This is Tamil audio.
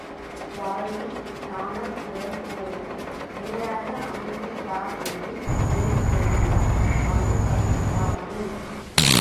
வாழ்வை நாணற்குழல்போல நேராக அமைத்துத் தா! என்று வேண்டிக்கொள்கிறார் வங்கக்கவி தாகூர்.